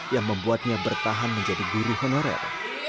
yang membuatnya bertahan menjadi guru honorer